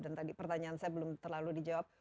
dan tadi pertanyaan saya belum terlalu dijawab